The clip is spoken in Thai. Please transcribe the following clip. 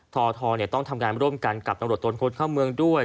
ททเนี่ยต้องทำงานร่วมกันกับนังโหลดตนคนเข้าเมืองด้วย